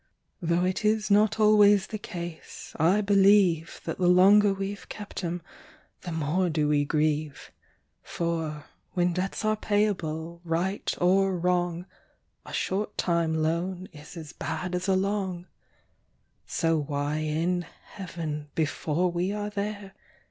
Though it is not always the case, I believe, That the longer we've kept 'em, the more do we grieve: For, when debts are payable, right or wrong, A short time loan is as bad as a long So why in Heaven (before we are there!)